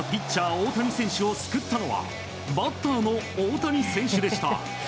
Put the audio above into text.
大谷選手を救ったのはバッターの大谷選手でした。